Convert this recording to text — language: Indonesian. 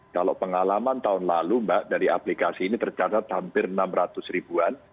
kalau pengalaman tahun lalu mbak dari aplikasi ini tercatat hampir enam ratus ribuan